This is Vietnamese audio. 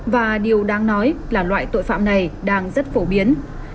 và điều đáng nói là loại tội phạm này đang rất phổ biến